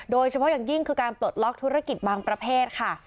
โดยเฉพาะอย่างยิ่งคือการปลดล็อกธุรกิจบางประเภทค่ะ